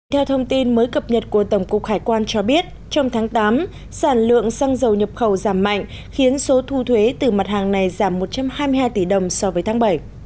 theo thông tin mới cập nhật của tổng cục hải quan cho biết trong tháng tám sản lượng xăng dầu nhập khẩu giảm mạnh khiến số thu thuế từ mặt hàng này giảm một trăm hai mươi hai tỷ đồng so với tháng bảy